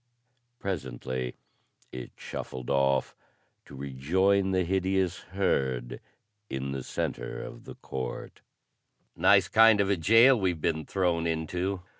Presently it shuffled off to rejoin the hideous herd in the center of the court. "Nice kind of a jail we've been thrown into.